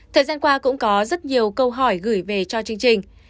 thời gian qua cũng có rất nhiều câu hỏi gửi về cho chương trình